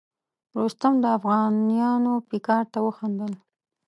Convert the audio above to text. رستم د افغانیانو پیکار ته وخندل.